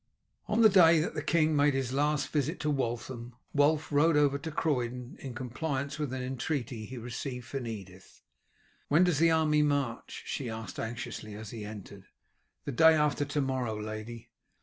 On the day that the king made his last visit to Waltham, Wulf rode over to Croydon in compliance with an entreaty he received from Edith. "When does the army march?" she asked anxiously as she entered. "The day after to morrow, lady."